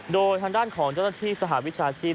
โดยทางด้านของเจ้าหน้าที่สหวิชาชีพ